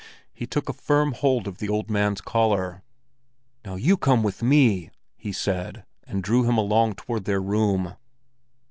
He took a firm hold of the old man's collar. "Now you come with me!" he said, and drew him along toward their room.